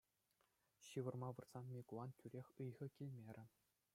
Ҫывӑрма выртсан, Микулан тӳрех ыйхӑ килмерӗ.